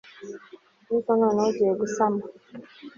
ariko noneho ugiye gusama